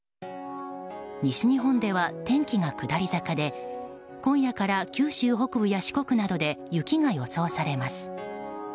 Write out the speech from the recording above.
西日本では天気が下り坂で今夜から九州北部や四国などで雪が予想されます。